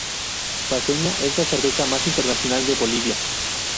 Paceña es la cerveza más internacional de Bolivia.